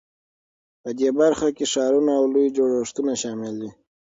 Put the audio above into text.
په دې برخه کې ښارونه او لوی جوړښتونه شامل دي.